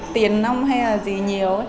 tiền nông hay là gì nhiều